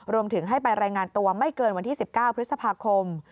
รวมถึงให้ไปรายงานตัวไม่เกินวันที่๑๙พฤษภาคม